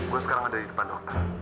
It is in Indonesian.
gue sekarang ada di depan hotel